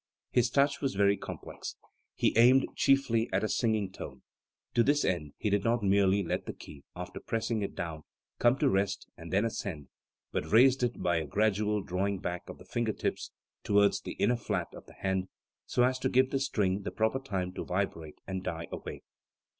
His touch was very complex. He aimed chiefly at a singing tone. To this end he did not merely let the key, after pressing it down, come to rest and then ascend, but raised it by a gradual drawing back of the finger tips to wards the inner flat of the hand, so as to give the string the proper time to vibrate and die away.